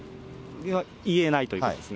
言えないということですね。